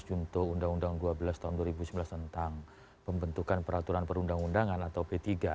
untuk undang undang dua belas tahun dua ribu sembilan belas tentang pembentukan peraturan perundang undangan atau p tiga